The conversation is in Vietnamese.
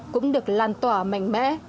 cũng được lan tỏa mạnh mẽ